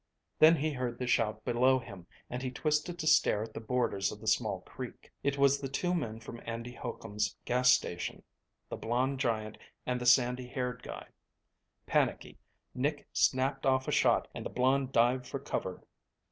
Then he heard the shout below him and he twisted to stare at the borders of the small creek. It was the two men from Andy Hocum's gas station the blond giant and the sandy haired guy. Panicky, Nick snapped off a shot and the blond dived for cover.